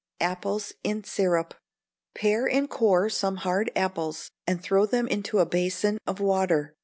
Apples in Syrup. Pare and core some hard apples, and throw them into a basin of water.